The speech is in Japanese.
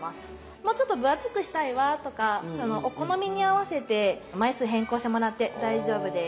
もうちょっと分厚くしたいわとかお好みに合わせて枚数変更してもらって大丈夫です。